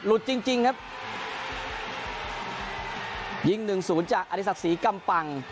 หลุดจริงครับยิงหนึ่งศูนย์จากอธิษฐศีรกำปัง